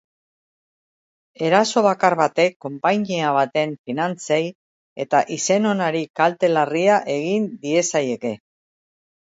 Eraso bakar batek konpainia baten finantzei eta izen onari kalte larria egin diezaieke.